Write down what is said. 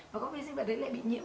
và con vi sinh vật đấy lại bị nhiễm